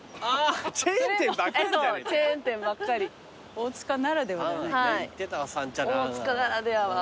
大塚ならでははないな。